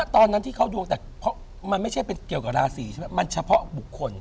ตอนนั้นที่เขาดวงแต่มันไม่ใช่เป็นเกี่ยวกับราศีใช่ไหมมันเฉพาะบุคคล